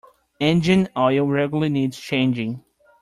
Engine oil regularly needs changing.